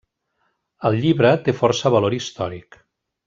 El llibre té força valor històric.